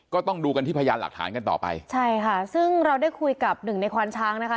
ก็ต้องดูกันที่พยานหลักฐานกันต่อไปใช่ค่ะซึ่งเราได้คุยกับหนึ่งในควานช้างนะคะ